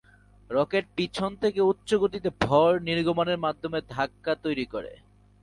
Rocket পিছন থেকে উচ্চ গতিতে ভর নির্গমনের মাধ্যমে ধাক্কা তৈরি করে।